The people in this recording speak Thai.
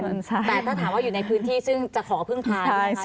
แต่ถ้าถามว่าอยู่ในพื้นที่ซึ่งจะขอพึ่งพานะคะ